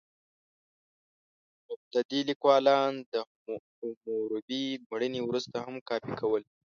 مبتدي لیکوالان د حموربي مړینې وروسته هم کاپي کول.